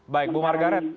baik bu margaret